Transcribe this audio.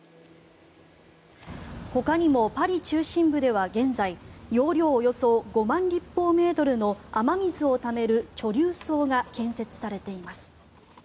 ほかにもパリ中心部では現在容量およそ５万立方メートルの雨水をためる貯留槽が建設されています。